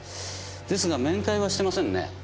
ですが面会はしてませんね。